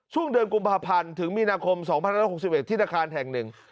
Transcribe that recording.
ช่วงเดินกลุ่มประพันธ์ถึงมีนาคม๒๑๖๑ที่นาคารแถง๑